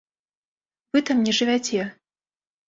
Вы там не жывяце.